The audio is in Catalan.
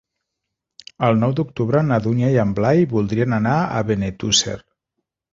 El nou d'octubre na Dúnia i en Blai voldrien anar a Benetússer.